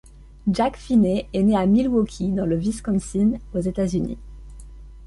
Jack Finney est né à Milwaukee, dans le Wisconsin aux États-Unis.